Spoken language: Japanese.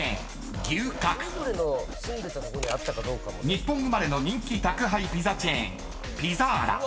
［日本生まれの人気宅配ピザチェーン］